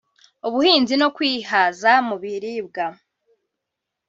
ubuhinzi no kwihaza mu biribwa